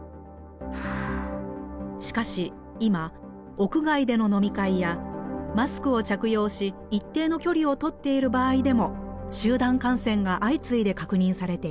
しかし今屋外での飲み会やマスクを着用し一定の距離を取っている場合でも集団感染が相次いで確認されています。